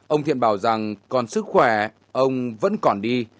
ông thiện bảo rằng còn sức khỏe ông vẫn còn đi